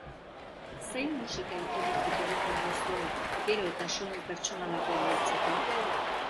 Zein musika-iturritik edaten duzue gero eta soinu pertsonalagoa lortzeko?